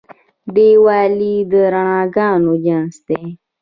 دیوالي د رڼاګانو جشن دی.